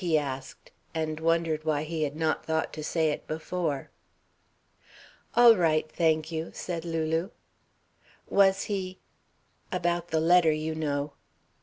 he asked, and wondered why he had not thought to say it before. "All right, thank you," said Lulu. "Was he about the letter, you know?"